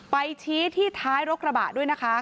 ไปชี้ที่ท้ายรถกระบะด้วยนะคะ